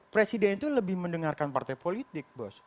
presiden itu lebih mendengarkan partai politik bos